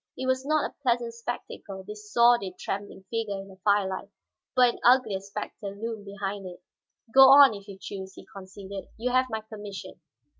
It was not a pleasant spectacle, this sordid, trembling figure in the firelight, but an uglier specter loomed behind it. "Go on, if you choose," he conceded. "You have my permission."